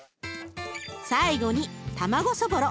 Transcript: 最後に卵そぼろ。